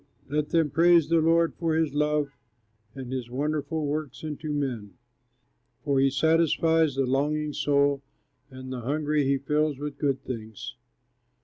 Let them praise the Lord for his love, And his wonderful works unto men! For he satisfies the longing soul, And the hungry he fills with good things.